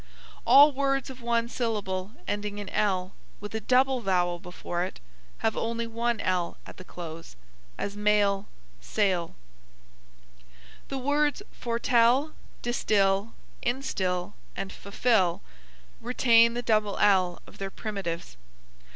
All words of one syllable ending in l, with a double vowel before it, have only one l at the close: as mail, sail. The words foretell, distill, instill and fulfill retain the double ll of their primitives.